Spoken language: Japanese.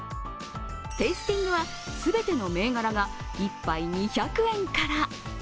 テイスティングは全ての銘柄が１杯２００円から。